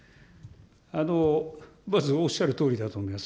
まずおっしゃるとおりだと思います。